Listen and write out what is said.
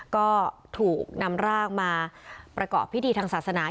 ก็ถูกนำร่างมาประกอบพิธีทางศาสนา